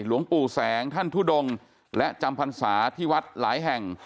หลวงปู่แสงท่านทุดงและจำพรรษาที่วัดหลายแห่ง